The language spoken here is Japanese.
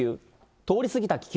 通り過ぎた気球。